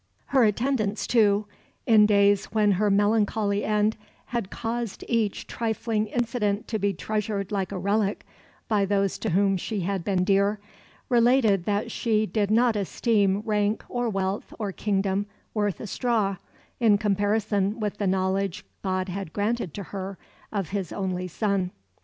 Her attendants, too in days when her melancholy end had caused each trifling incident to be treasured like a relic by those to whom she had been dear related that she did not esteem rank or wealth or kingdom worth a straw in comparison with the knowledge God had granted to her of His only Son.